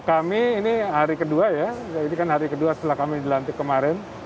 kami ini hari kedua ya ini kan hari kedua setelah kami dilantik kemarin